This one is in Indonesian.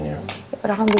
ya udah deh